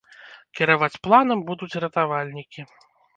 Кіраваць планам будуць ратавальнікі.